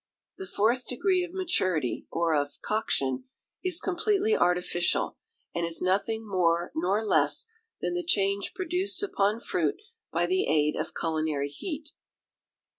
The fourth degree of maturity, or of Coction, is completely artificial, and is nothing more nor less than the change produced upon fruit by the aid of culinary heat.